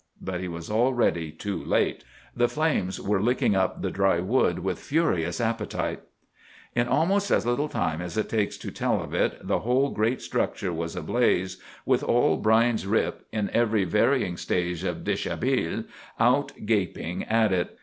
But he was already too late. The flames were licking up the dry wood with furious appetite. In almost as little time as it takes to tell of it the whole great structure was ablaze, with all Brine's Rip, in every varying stage of déshabille, out gaping at it.